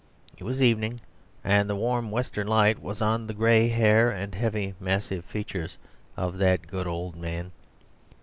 It was evening, and the warm western light was on the grey hair and heavy massive features of that good old man.